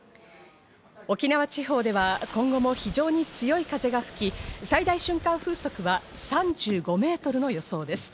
沖縄地方では今後も非常に強い風が吹き、最大瞬間風速は３５メートルの予想です。